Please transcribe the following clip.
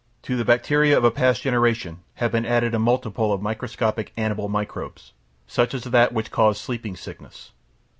To the bacteria of a past generation have been added a multitude of microscopic animal microbes, such as that which causes Sleeping Sickness.